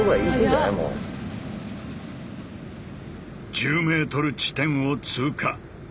１０ｍ地点を通過。